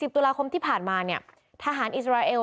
๑๐ตุลาคมที่ผ่านมาทหารอิสราเอล